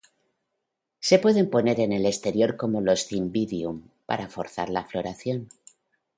Se pueden poner en el exterior como los "Cymbidium" para forzar la floración.